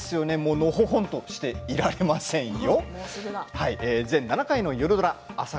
のほほんとしていられませんよ。